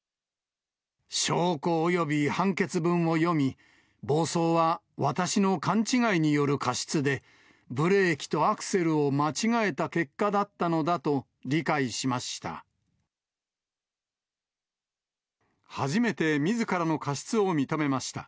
証拠および判決文を読み、暴走は私の勘違いによる過失で、ブレーキとアクセルを間違えた結初めてみずからの過失を認めました。